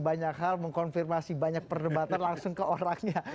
banyak hal mengkonfirmasi banyak perdebatan langsung ke orangnya